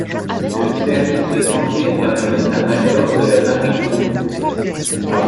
Le service de santé par le médecin-major de la marine Roux.